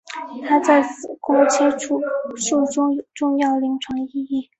它在子宫切除术中有重要临床意义。